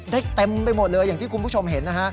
เต็มไปหมดเลยอย่างที่คุณผู้ชมเห็นนะฮะ